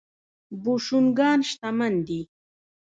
بوشونګان شتمن دي.